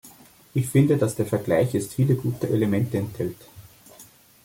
Ich finde, dass der Vergleich jetzt viele gute Elemente enthält.